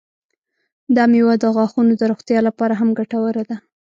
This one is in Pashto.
دا میوه د غاښونو د روغتیا لپاره هم ګټوره ده.